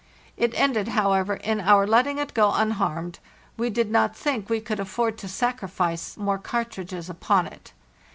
It ended, however, in our letting it go unharmed; we did not think we could atford to sacrifice more cartridges upon it.